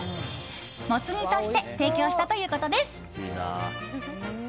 もつ煮として提供したということです。